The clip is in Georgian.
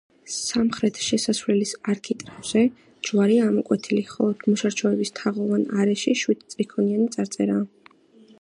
სამხრეთ შესასვლელის არქიტრავზე ჯვარია ამოკვეთილი, ხოლო მოჩარჩოების თაღოვან არეში შვიდსტრიქონიანი წარწერაა.